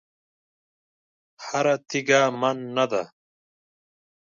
هره تېږه من نه ده.